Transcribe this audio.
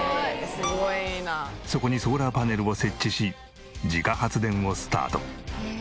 そこにソーラーパネルを設置し自家発電をスタート。